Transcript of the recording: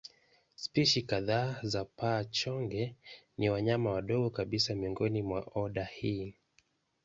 Spishi kadhaa za paa-chonge ni wanyama wadogo kabisa miongoni mwa oda hii.